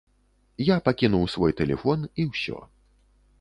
Я пакінуў свой тэлефон, і ўсё.